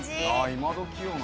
今どきよな。